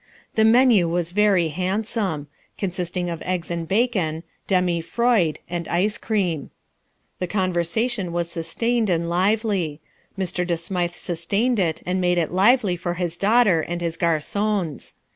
The menu was very handsome, consisting of eggs and bacon, demi froid, and ice cream. The conversation was sustained and lively. Mr. De Smythe sustained it and made it lively for his daughter and his garçons.